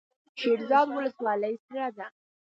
شیرزاد ولسوالۍ سړه ده؟